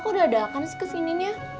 kakak kok dadakan sih ke manginanya